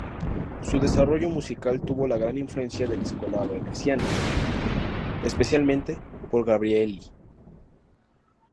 Su desarrollo musical tuvo la gran influencia de la escuela veneciana, especialmente por Gabrielli.